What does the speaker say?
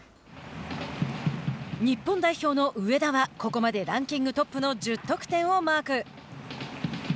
日本代表の上田はここまでランキングトップの１０得点をマーク。